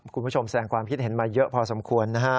คุณผู้ชมแสดงความคิดเห็นมาเยอะพอสมควรนะฮะ